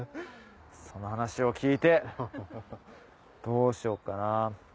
その話を聞いてどうしようかな。